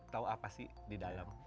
tahu apa sih di dalam